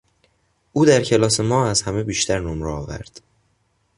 او در کلاس ما از همه بیشتر نمره آورد.